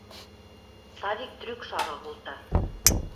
Савик трӱк шагал колта.